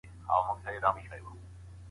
تاسي هغه و نه ځړوئ .